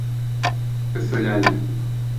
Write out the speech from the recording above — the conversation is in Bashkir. Өфөлә лә...